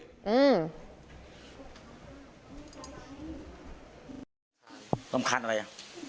สำคัญอะไรอ่ะ